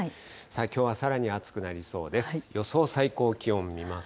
きょうはさらに暑くなりそうです。